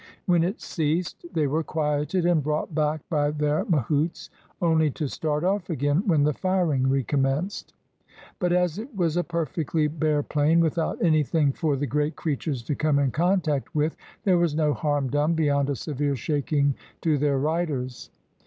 When it ceased, they were quieted and brought back by their mahouts, only to start off again when the firing recommenced; but, as it was a perfectly bare plain, without anything for the great creatures to come in contact with, there was no harm done beyond a severe shaking to their riders.